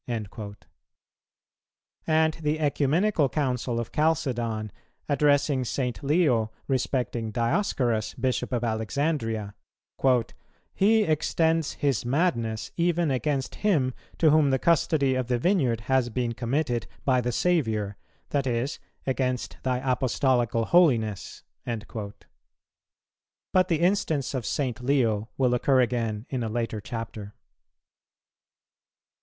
"[162:3] And the Ecumenical Council of Chalcedon, addressing St. Leo respecting Dioscorus, Bishop of Alexandria: "He extends his madness even against him to whom the custody of the vineyard has been committed by the Saviour, that is, against thy Apostolical holiness."[162:4] But the instance of St. Leo will occur again in a later Chapter.